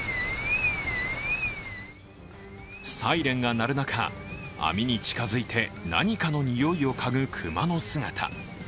サイレンが鳴る中、網に近づいて何かの匂いをかぐ熊の姿。